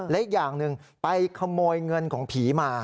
และอีกอย่างหนึ่งไปขโมยเงินของผีมา